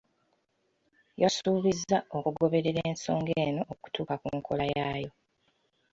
Yasuubiza okugoberera ensonga eno okutuuka ku nkolo yaayo.